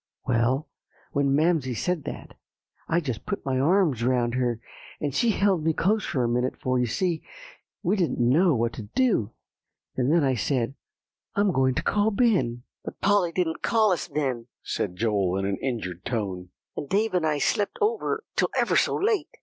Well, when Mamsie said that, I just put my arms around her, and she held me close for a minute, for, you see, we didn't know what to do. And then I said 'I'm going to call Ben.'" [Illustration: The little snow house.] "But Polly didn't call us then," said Joel in an injured tone; "and Dave and I slept over till ever so late."